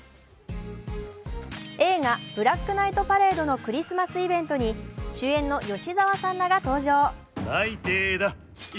映画「ブラックナイトパレード」のクリスマスイベントに主演の吉沢さんらが登場。